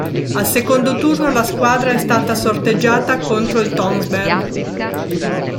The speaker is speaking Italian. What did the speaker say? Al secondo turno, la squadra è stata sorteggiata contro il Tønsberg.